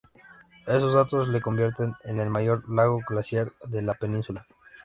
Estos datos le convierten en el mayor lago glaciar de la Península.